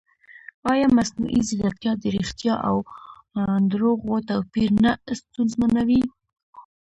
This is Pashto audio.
ایا مصنوعي ځیرکتیا د ریښتیا او دروغو توپیر نه ستونزمنوي؟